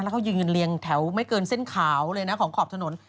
แล้วเขายืนเรียงแถวเซ็นขาวของขอบถนน